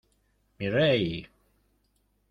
¡ mi rey!